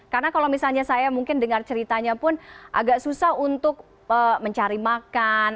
karena kalau misalnya saya mungkin dengar ceritanya pun agak susah untuk mencari makan